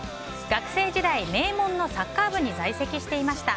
学生時代、名門のサッカー部に在籍していました。